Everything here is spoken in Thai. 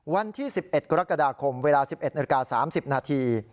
วันที่๑๑กรกฎาคมเวลา๑๑นาฬิกา๓๐นาที